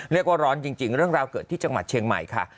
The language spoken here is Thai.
ร้อนจริงเรื่องราวเกิดที่จังหวัดเชียงใหม่ค่ะ